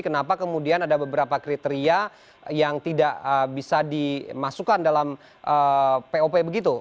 kenapa kemudian ada beberapa kriteria yang tidak bisa dimasukkan dalam pop begitu